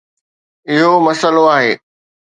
اهو مسئلو آهي.